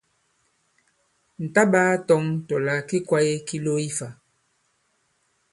Ǹ ta-ɓāa-tɔ̄ŋ tɔ̀ là ki kwāye ki lo ifã.